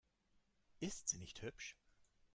Ist sie nicht hübsch?